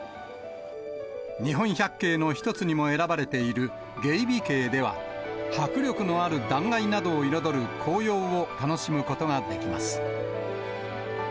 日本百景の一つにも選ばれている猊鼻渓では、迫力のある断崖などを彩る紅葉を楽しむことができます。